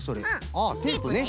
あテープね。